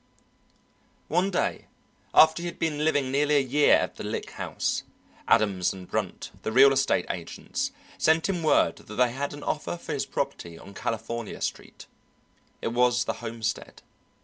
One day after he had been living nearly a year at the Lick House, Adams & Brunt, the real estate agents, sent him word that they had an offer for his property on California Street. It was the homestead.